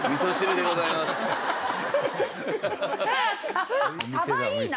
サバいいな。